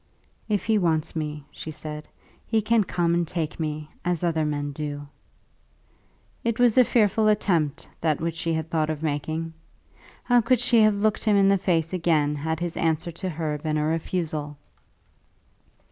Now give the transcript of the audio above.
"If he wants me," she said, "he can come and take me, as other men do." It was a fearful attempt, that which she had thought of making. How could she have looked him in the face again had his answer to her been a refusal?